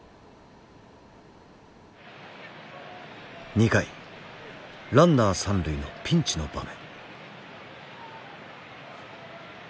２回ランナー三塁のピンチの場面。